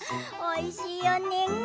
おいしいよね！